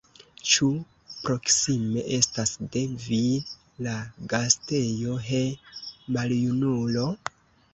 Ĉu proksime estas de vi la gastejo, he, maljunulo?